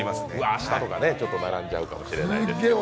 明日とかちょっと並んじゃうかもしれないですね。